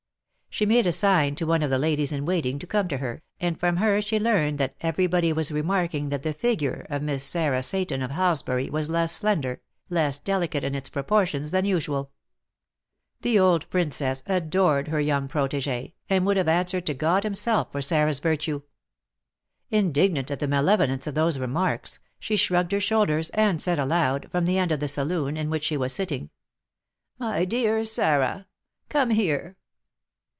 She made a sign to one of the ladies in waiting to come to her, and from her she learned that everybody was remarking that the figure of Miss Sarah Seyton of Halsbury was less slender, less delicate in its proportions than usual. The old princess adored her young protégée and would have answered to God himself for Sarah's virtue. Indignant at the malevolence of these remarks, she shrugged her shoulders, and said aloud, from the end of the saloon in which she was sitting: "My dear Sarah, come here."